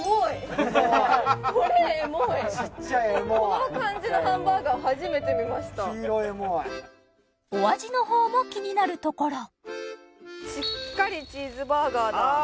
これエモいこの感じのハンバーガー初めて見ましたお味のほうも気になるところしっかりチーズバーガーだああ